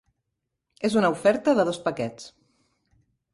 És una oferta de dos paquets.